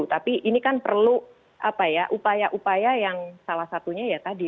tapi ini kan perlu upaya upaya yang salah satunya ya tadi